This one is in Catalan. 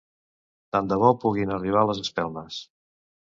Tant de bo puguin arribar les espelmes.